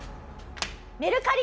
メルカリ？